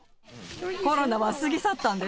コロナは過ぎ去ったんです。